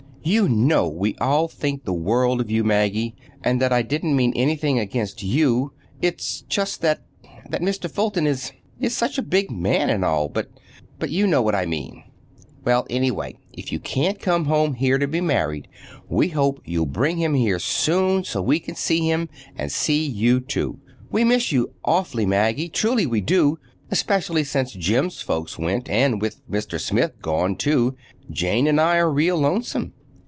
You know we all think the world of you, Maggie, and that I didn't mean anything against you. It's just that—that Mr. Fulton is—is such a big man, and all—But you know what I meant. Well, anyway, if you can't come here to be married, we hope you'll bring him here soon so we can see him, and see you, too. We miss you awfully, Maggie,—truly we do, especially since Jim's folks went, and with Mr. Smith gone, too, Jane and I are real lonesome.